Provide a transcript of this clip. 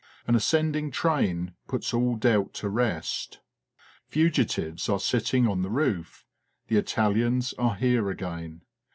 An ascending train puts all doubt to rest; fugitives are sitting on the roof; the Italians are here again.